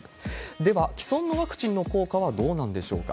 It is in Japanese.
では、既存のワクチンの効果はどうなんでしょうか。